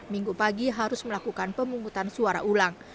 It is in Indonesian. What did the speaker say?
minggu pagi harus melakukan pemungutan suara ulang